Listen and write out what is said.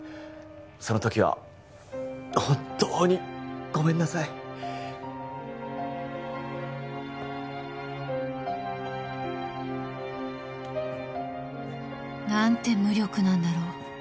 その時は本当にごめんなさい何て無力なんだろう